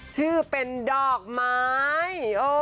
ชื่อเป็นดอกไม้